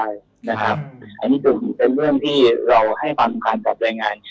อันนี้ก็เป็นเรื่องที่เราให้ความคุ้มความสามารถกลับแรงงาน